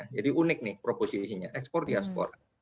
jadi unik nih proposisinya export diaspora